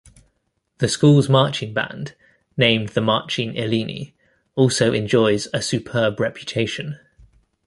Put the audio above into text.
The school's marching band, named the Marching Illini, also enjoys a superb reputation.